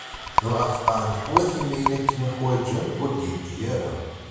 Dγa feqqeεen leḥwat imi ayen akken ḥwağen, ur d-yeddi ara.